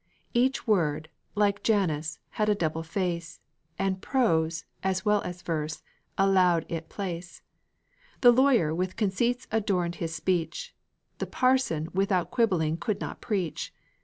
Each word, like Janus, had a double face, And prose, as well as verse, allowed it place; The lawyer with conceits adorned his speech, The parson without quibbling could not preach.